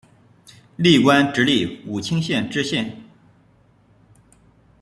历官直隶武清县知县。